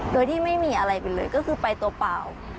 โดยที่ไม่มีอะไรไปเลยก็คือไปตัวเปล่า